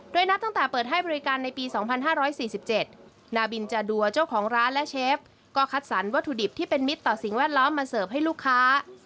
โดยนับตั้งแต่เปิดให้บริการในปี๒๕๔๗นาบินจาดัวเจ้าของร้านและเชฟก็คัดสรรวัตถุดิบที่เป็นมิตรต่อสิ่งแวดล้อมมาเสิร์ฟให้ลูกค้า